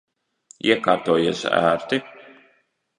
Iekārtojies ērti?